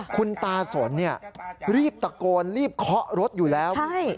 คุณตาสนรีบตะโกนรีบเคาะรถอยู่แล้ว